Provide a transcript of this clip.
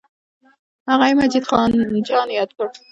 هغه یې مجید جان یاد کړ.